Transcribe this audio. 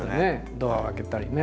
ドアを開けたりね。